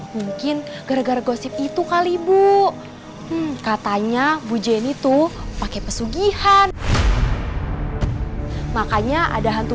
mungkin gara gara gosip itu kali bu katanya bu jenny tuh pakai pesugihan makanya ada hantu